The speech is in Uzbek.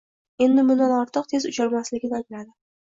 endi bundan ortiq tez ucholmasligini angladi.